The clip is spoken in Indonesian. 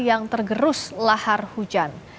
yang tergerus lahar hujan